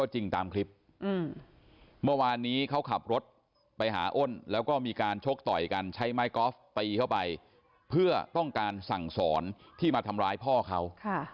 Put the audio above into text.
ใช้ไมค์กรอฟตีเข้าไปเพื่อต้องการสั่งสอนที่มาทำร้ายพ่อเขา